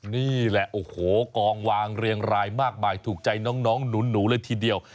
นี่แหละโอ้โหกองวางเรียงรายมากมายถูกใจน้องหนูเลยทีเดียว